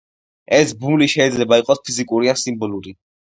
ეს ბმული შეიძლება იყოს ფიზიკური ან სიმბოლური.